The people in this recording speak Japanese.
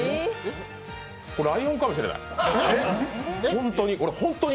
ライオンかもしれない。